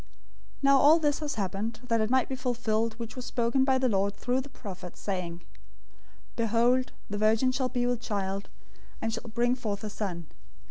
001:022 Now all this has happened, that it might be fulfilled which was spoken by the Lord through the prophet, saying, 001:023 "Behold, the virgin shall be with child, and shall bring forth a son.